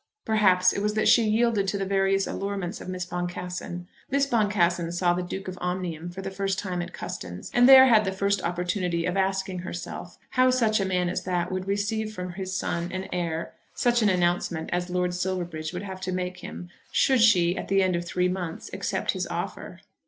Perhaps it was that she yielded to the various allurements of Miss Boncassen. Miss Boncassen saw the Duke of Omnium for the first time at Custins, and there had the first opportunity of asking herself how such a man as that would receive from his son and heir such an announcement as Lord Silverbridge would have to make him should she at the end of three months accept his offer.